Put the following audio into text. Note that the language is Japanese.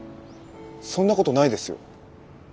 そんなことないですよ。